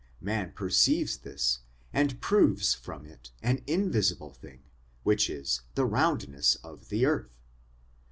Man perceives this, and proves from it an invisible thing which is the roundness of the earth.